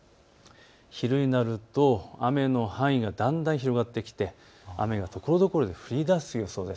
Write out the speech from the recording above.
昼になると雨の範囲がだんだん広がってきて雨がところどころで降りだす予想です。